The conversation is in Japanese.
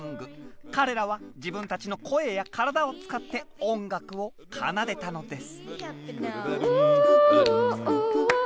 彼らは自分たちの声や体を使って音楽を奏でたのです。